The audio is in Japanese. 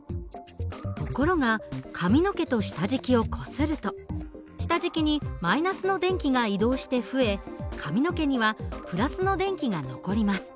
ところが髪の毛と下敷きをこすると下敷きに−の電気が移動して増え髪の毛には＋の電気が残ります。